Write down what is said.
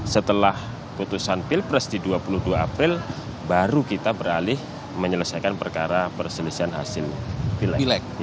setelah putusan pilpres di dua puluh dua april baru kita beralih menyelesaikan perkara perselisihan hasil pilek